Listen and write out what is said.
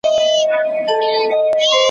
چي پر هرقدم د خدای شکر کومه `